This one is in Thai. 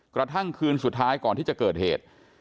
กระทั่งคืนสุดท้ายก่อนที่จะเกิดเหตุ